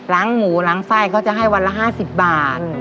หมูล้างไส้เขาจะให้วันละ๕๐บาท